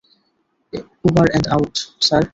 ওবার and out, sir.